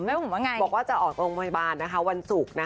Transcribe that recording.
แม่บุ๋มว่ายังไงบอกว่าจะออกโรงพยาบาลนะคะวันสุค